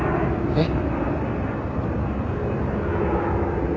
えっ？